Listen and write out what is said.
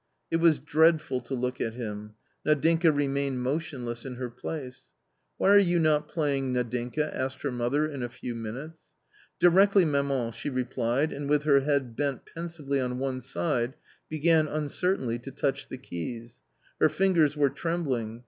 It was dreadful to look at him. Nadinka remained motionless in her place. ^ Why are you not playing, Nadinka?" asked her mother in a few minutes. " Directly, maman 1 " she replied, and with her head bent pensively on one side, began uncertainly to touch the keys. Her fingers weretrembling.